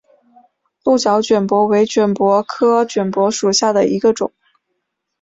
鹿角卷柏为卷柏科卷柏属下的一个种。